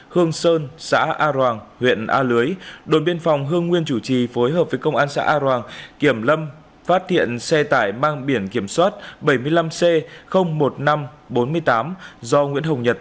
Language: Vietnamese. hương sơn xã a roàng huyện a lưới đồn biên phòng hương nguyên chủ trì phối hợp với công an xã a roàng kiểm lâm phát hiện xe tải mang biển kiểm soát bảy mươi năm c một nghìn năm trăm bốn mươi tám do nguyễn hồng nhật